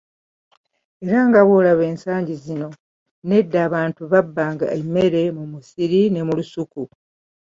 "Era nga bw’olaba ensangi zino, n’edda abantu babbanga emmere mu misiri ne mu nsuku."